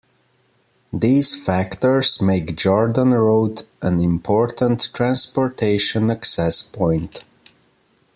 These factors make Jordan Road an important transportation access point.